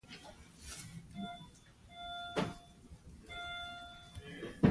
He was also involved in writing a never-made softcore sitcom called "Park Lane".